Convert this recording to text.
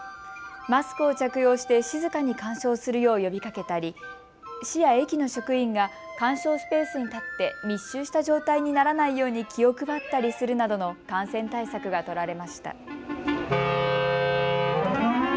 マスクを着用して静かに鑑賞するよう呼びかけたり市や駅の職員が鑑賞スペースに立って密集した状態にならないように気を配ったりするなどの感染対策が取られました。